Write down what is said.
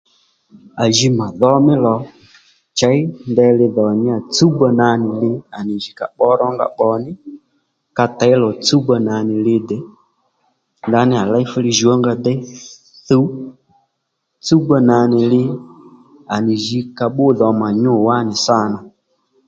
À ji mà dhǒ mí lò chěy ndeyli dhò níyà tsúwba nà nì li à ji ka pbǒ rǒnga pbò ní ka těy lò tsúwbà nà nì li dè ndaní à léy fúli jùw ónga déy shú tsúwba nà nì li à nì jǐ ka bbú dhomà nyû wánì sâ nà